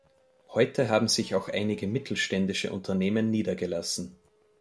Heute haben sich auch einige mittelständische Unternehmen niedergelassen.